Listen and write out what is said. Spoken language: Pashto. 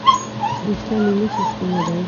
ویښته مې نشي سپینېدای